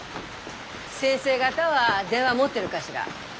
先生方は電話持ってるかしら？